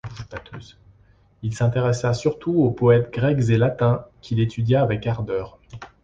Il s'intéressa surtout aux poètes grecs et latins, qu'il étudia avec ardeur.